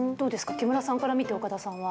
木村さんから見て岡田さんは。